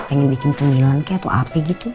pengen bikin cemilan kek atau api gitu